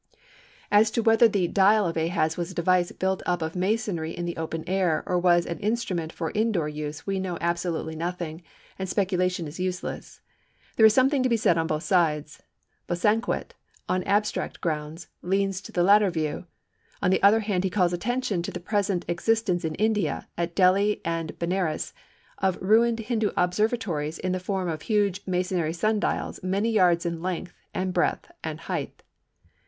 As to whether the "dial" of Ahaz was a device built up of masonry in the open air or was an instrument for indoor use we know absolutely nothing, and speculation is useless. There is something to be said on both sides. Bosanquet, on abstract grounds, leans to the latter view; on the other hand he calls attention to the present existence in India, at Delhi and Benares, of ruined Hindoo observatories in the form of huge masonry sun dials many yards in length and breadth and height.